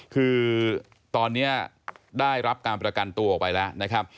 คือตอนนี้ได้รับการประกันตัวไปละ